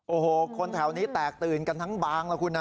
โอ้โหคนแถวนี้แตกตื่นกันทั้งบางละคุณนะ